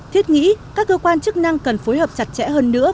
thiết nghĩ các cơ quan chức năng cần phối hợp chặt chẽ hơn nữa